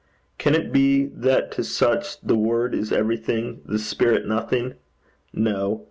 Can it be that to such the word is everything, the spirit nothing? No.